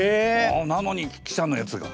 なのに記者のやつが。